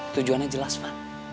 tujuannya jelas fa